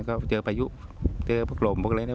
ก็เจอพายุเจอพวกลมพวกอะไรนะ